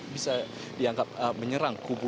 bisa dianggap menyerang kubu